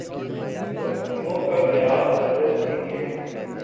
تکیوں کا غلاف بدل دیجئے